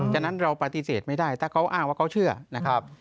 ฉะนั้นเราปฏิเสธไม่ได้ถ้าเขาอ้างว่าเขาเชื่อนะครับ